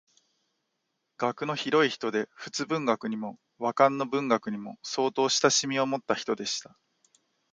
学の広い人で仏文学にも和漢の文学にも相当親しみをもった人でした